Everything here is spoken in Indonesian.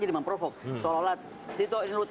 juga memang provok seolah olah tito ini